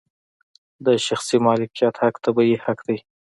د شخصي مالکیت حق طبیعي حق دی.